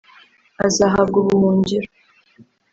azahabwa ubuhungiro